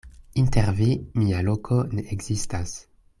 Inter vi mia loko ne ekzistas.